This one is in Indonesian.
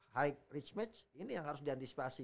high reach match ini yang harus diantisipasi